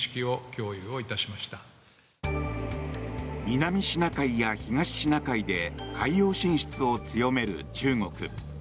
南シナ海や東シナ海で海洋進出を強める中国。